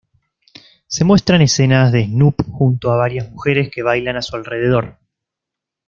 Se muestran escenas de Snoop junto a varias mujeres que bailan a su alrededor.